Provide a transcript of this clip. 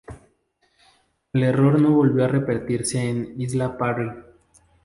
El error no volvió a repetirse en Isla Parry.